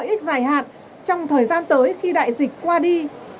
và đối với những lợi ích dài hạt trong thời gian tới khi đại dịch qua đi